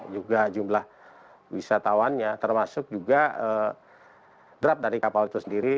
juga jumlah wisatawannya termasuk juga draft dari kapal itu sendiri